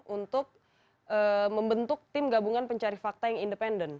untuk membentuk tim gabungan pencari fakta yang independen